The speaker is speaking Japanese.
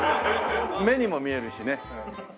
目にも見えるしね。